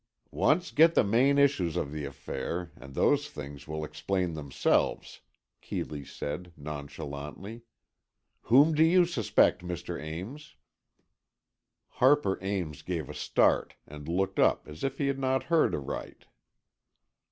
"Once get the main issues of the affair, and those things will explain themselves," Keeley said, nonchalantly. "Whom do you suspect, Mr. Ames?" Harper Ames gave a start, and looked up as if he had not heard aright.